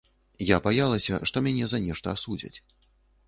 Я баялася, што мяне за нешта асудзяць.